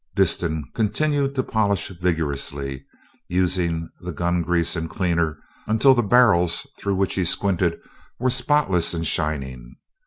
Disston continued to polish vigorously, using the gun grease and cleaner until the barrels through which he squinted were spotless and shining.